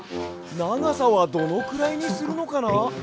ながさはどのくらいにするのかな？